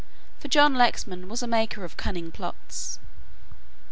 For John Lexman was a maker of cunning plots.